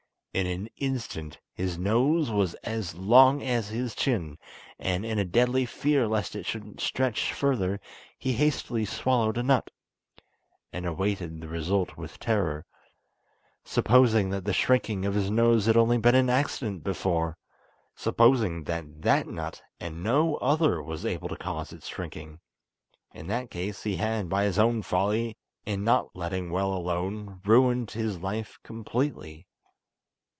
In an instant his nose was as long as his chin, and in a deadly fear lest it should stretch further, he hastily swallowed a nut, and awaited the result with terror. Supposing that the shrinking of his nose had only been an accident before! Supposing that that nut and no other was able to cause its shrinking! In that case he had, by his own folly, in not letting well alone, ruined his life completely.